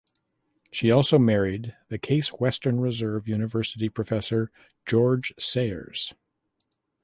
She also married the Case Western Reserve University Professor George Sayers.